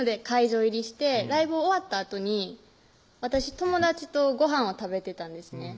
会場入りをしてライブ終わったあとに私友達とごはんを食べてたんですね